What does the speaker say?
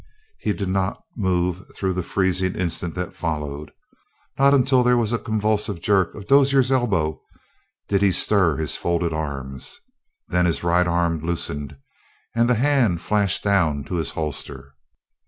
He did not move through the freezing instant that followed. Not until there was a convulsive jerk of Dozier's elbow did he stir his folded arms. Then his right arm loosened, and the hand flashed down to his holster.